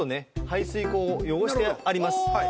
排水口を汚してあります。